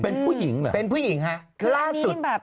เป็นผู้หญิงเหรอเป็นผู้หญิงฮะ